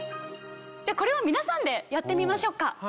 これは皆さんでやってみましょうか。